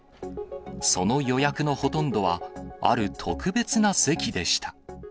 その予約のほとんどは、ある特別な席でした。